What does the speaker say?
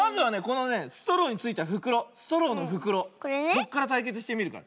こっからたいけつしてみるから。